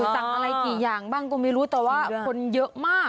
สั่งอะไรกี่อย่างบ้างก็ไม่รู้แต่ว่าคนเยอะมาก